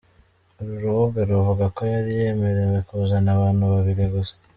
Uru rubuga ruvuga ko yari yemerewe kuzana abantu babiri gusa.